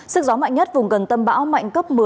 sức gió mạnh nhất vùng gần tâm bão mạnh cấp một mươi